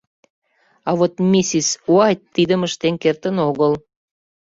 А вот миссис Уайт тидым ыштен кертын огыл.